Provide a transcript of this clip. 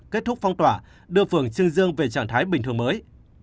kết thúc phong tỏa đưa phường trương dương về trạng thái bình thường mới